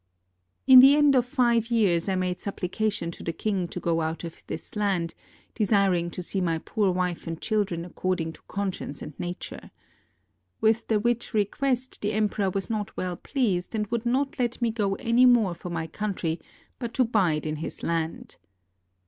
In the end of five years I made supplication to the king to go out of this land, desiring to see my poor wife and children according to conscience and nature. With thfe which request the emperor was not well pleased, and would not let me go any more for my country, but to bide in his land.